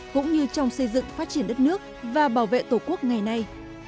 cũng như trong xây dựng phát triển đất nước và bảo vệ tổ quốc ngày nay